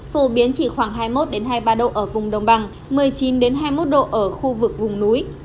phổ biến chỉ khoảng hai mươi một hai mươi ba độ ở vùng đồng bằng một mươi chín hai mươi một độ ở khu vực vùng núi